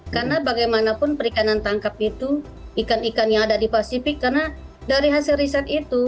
karena bagaimanapun perikanan tangkap itu ikan ikan yang ada di pasifik karena dari hasil riset itu